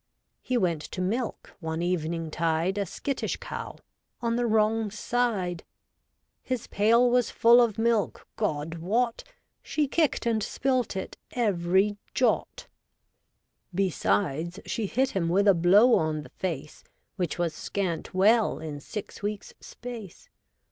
He went to milk, one evening tide, A skittish cow, on the wrong side — His pail was full of milk, God wot. She kick'd and spilt it ev'ry jot : 128 REVOLTED WOMAN. Besides, she hit him a blow on th' face Which was scant well in six weeks' space.